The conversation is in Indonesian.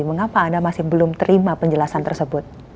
mengapa anda masih belum terima penjelasan tersebut